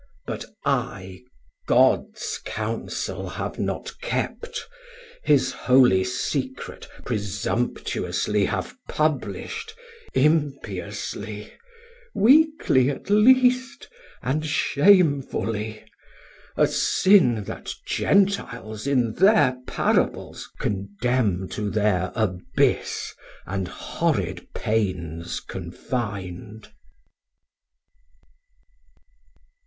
But I Gods counsel have not kept, his holy secret Presumptuously have publish'd, impiously, Weakly at least, and shamefully: A sin That Gentiles in thir Parables condemn 500 To thir abyss and horrid pains confin'd.